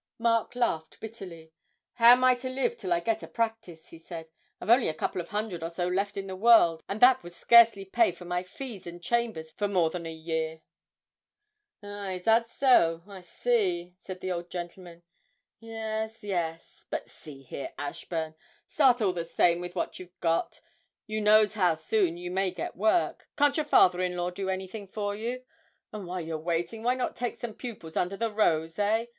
Mark laughed bitterly. 'How am I to live till I get a practice?' he said; 'I've only a couple of hundred or so left in the world, and that would scarcely pay for my fees and chambers for more than a year.' 'Ah, is that so? I see,' said the old gentleman, 'yes, yes but, see here, Ashburn, start all the same with what you've got, who knows how soon you may get work can't your father in law do anything for you? and while you're waiting, why not take some pupils under the rose, eh?